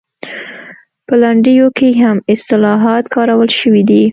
په لنډیو کې هم اصطلاحات کارول شوي دي